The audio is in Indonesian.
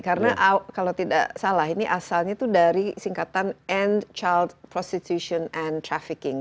karena kalau tidak salah ini asalnya itu dari singkatan end child prostitution and trafficking